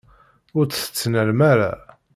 Ur t-tettnalem ara.